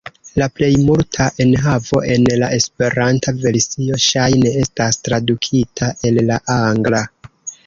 La plej multa enhavo en la Esperanta versio ŝajne estas tradukita el la angla.